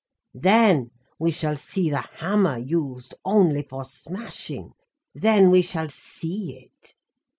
Then we shall see the hammer used only for smashing, then we shall see it.